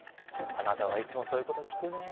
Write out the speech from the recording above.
あなたはいつもそういうこと聞くねえ。